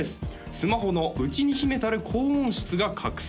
スマホの内に秘めたる高音質が覚醒